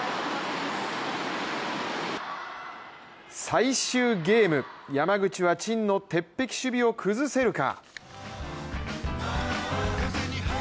最終ゲーム、山口は陳の鉄壁守備を崩せるか？